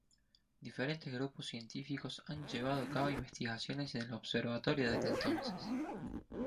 Diferentes grupos científicos han llevado a cabo investigaciones en el Observatorio desde entonces.